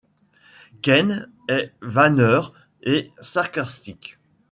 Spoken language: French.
Ken est vanneur et sarcastique.